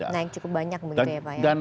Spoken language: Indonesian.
nah yang cukup banyak begitu ya